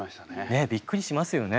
ねえびっくりしますよね。